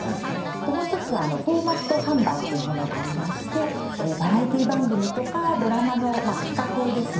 もう１つはフォーマット販売というものがありましてバラエティー番組とかドラマの企画ですね